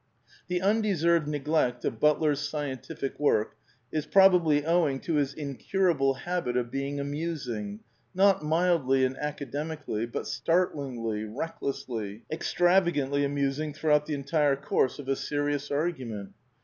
The undeserved neglect of Butler's scientific work is probably owing to his incurable habit of being amusing, not mildly and academically, but startlingly, recklessly, extravagantly amusing throughout the entire course of a serious argument.